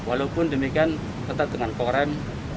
walaupun demikian tetap dengan korem